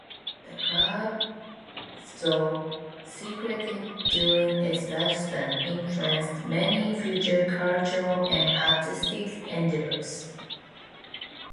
The Club, though secretive during its lifespan, influenced many future cultural and artistic endeavors.